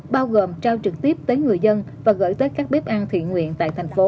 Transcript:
bao gồm trao trực tiếp tới người dân và gửi tới các bếp ăn thiện nguyện tại thành phố